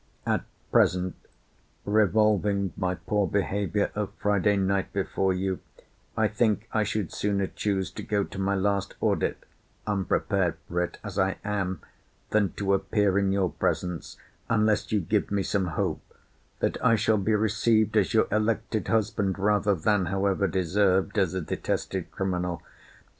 At present, revolving my poor behaviour of Friday night before you, I think I should sooner choose to go to my last audit, unprepared for it as I am, than to appear in your presence, unless you give me some hope, that I shall be received as your elected husband, rather than, (however deserved,) as a detested criminal.